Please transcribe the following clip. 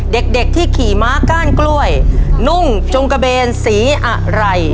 เด็กที่ขี่ม้าก้านกล้วยนุ่งจงกระเบนสีอะไร